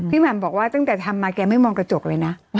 แหม่มบอกว่าตั้งแต่ทำมาแกไม่มองกระจกเลยนะ